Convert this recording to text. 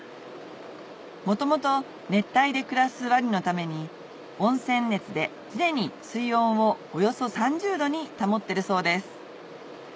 元々熱帯で暮らすワニのために温泉熱で常に水温をおよそ３０度に保ってるそうです